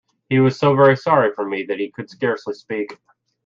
He was so very sorry for me that he could scarcely speak.